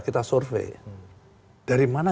kita survei dari mana